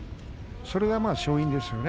それが勝因ですね。